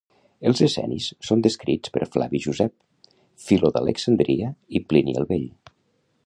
Els essenis són descrits per Flavi Josep, Filó d'Alexandria i Plini el Vell.